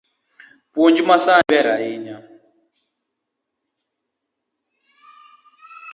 Puonj masani ber ahinya